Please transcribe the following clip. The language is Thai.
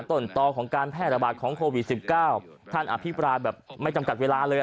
ต่อของการแพร่ระบาดของโควิด๑๙ท่านอภิปรายแบบไม่จำกัดเวลาเลย